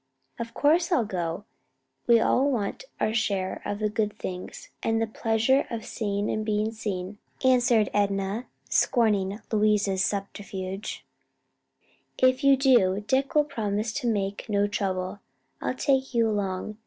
"Of course I'll go; we all want our share of the good things, and the pleasure of seeing and being seen," answered Enna, scorning Louise's subterfuge; "and if you and Dick will promise to make me no trouble, I'll take you along.